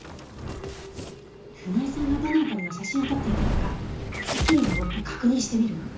船井さんがどの辺りの写真を撮っていたのか木に登って確認してみるわ。